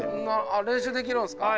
あっ練習できるんですか？